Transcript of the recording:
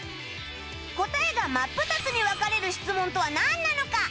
答えが真っ二つに分かれる質問とはなんなのか？